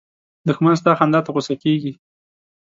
دښمن ستا خندا ته غوسه کېږي